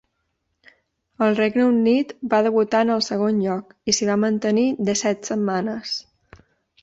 Al Regne Unit, va debutar en el segon lloc i s'hi va mantenir disset setmanes.